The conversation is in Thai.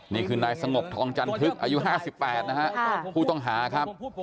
นี่คือนายสงบทองจันทึกอายุ๕๘นะฮะผู้ต้องหาครับ